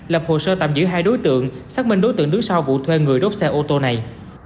lập hồ sơ tạm giữ hai đối tượng xác minh đối tượng đứng sau vụ thuê người đốt xe ô tô này